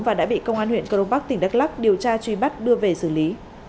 và đã bị công an huyện cờ đông bắc tỉnh đắk lắc điều tra truy bắt đưa về xử lý